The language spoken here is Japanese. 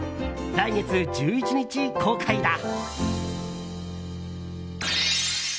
来月１１日公開だ。